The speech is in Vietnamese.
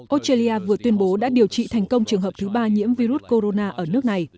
australia vừa tuyên bố đã điều trị thành công trường hợp thứ ba nhiễm virus corona ở nước này